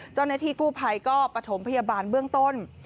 เจ้าหน้าที่กู้ภัยก็ประถมพยาบาลเบื้องต้น